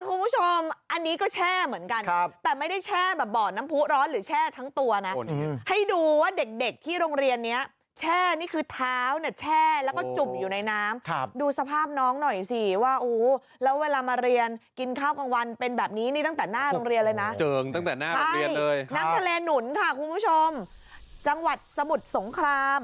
คุณผู้ชมอันนี้ก็แช่เหมือนกันครับแต่ไม่ได้แช่แบบบ่อนน้ำพุร้อนหรือแช่ทั้งตัวนะให้ดูว่าเด็กที่โรงเรียนนี้แช่นี่คือเท้าเนี่ยแช่แล้วก็จุบอยู่ในน้ำครับดูสภาพน้องหน่อยสิว่าอู๋แล้วเวลามาเรียนกินข้าวกลางวันเป็นแบบนี้นี่ตั้งแต่หน้าโรงเรียนเลยนะเจิงตั้งแต่หน้าโรงเรียนเลยน้ำทะเลหนุนค่